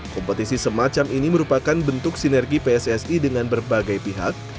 kompetisi semacam ini merupakan bentuk sinergi pssi dengan berbagai pihak